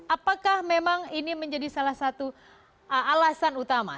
apakah memang ini menjadi salah satu alasan utama